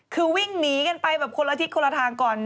คือวิ่งหนีกันไปแบบคนละทิศคนละทางก่อน